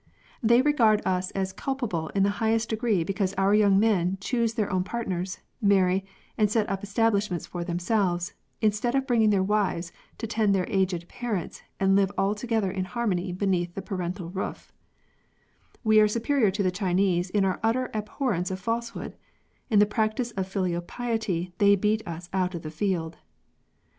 They regard us as culpable in the highest degree because our young men choose their own partners, marry, and set up establishments for themselves, instead of bringing their wives to tend their aged parents, and live all together in harmony beneath the paternal roof We are superior to the Chinese in our utter abhorrence of falsehood : in the practice of filial piety they beat us out of the field.